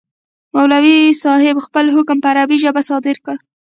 مولوي صاحب خپل حکم په عربي ژبه صادر کړ.